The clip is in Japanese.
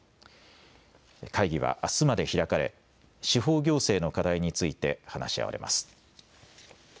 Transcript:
会議はあすまで開かれ、司法行政の課題について話し合われます。